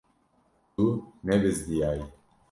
Tu nebizdiyayî.